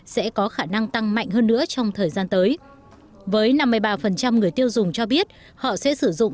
sẽ có khả năng tăng mạnh hơn nữa trong thời gian tới với năm mươi ba người tiêu dùng cho biết họ sẽ sử dụng